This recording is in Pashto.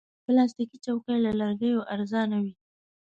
پلاستيکي چوکۍ له لرګیو ارزانه وي.